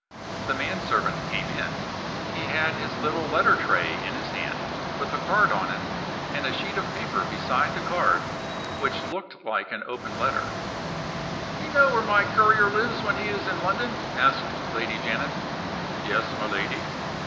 The man servant came in. He had his little letter tray in his hand, with a card on it, and a sheet of paper beside the card, which looked like an open letter. "You know where my courier lives when he is in London?' asked Lady Janet. "Yes, my lady."